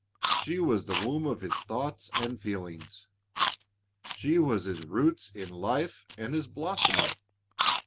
She was the womb of his thoughts and feelings. She was his roots in life and his blossoming.